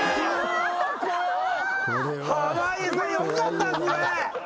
濱家さんよかったっすね。